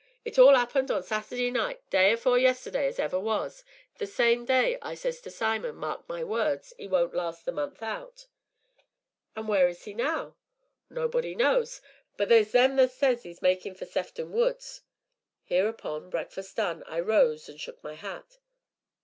It all 'appened on Sat'day night, day afore yesterday as ever was the very same day as I says to Simon, 'mark my words, 'e won't last the month out.'" "And where is he now?" "Nobody knows, but theer's them as says they see 'im makin' for Sefton Woods." Hereupon, breakfast done, I rose, and took my hat.